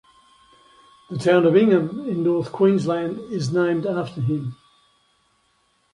The town of Ingham in North Queensland is named after him.